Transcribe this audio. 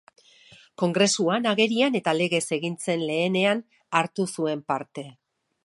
Kongresuan, agerian eta legez egin zen lehenean, hartu zuen parte.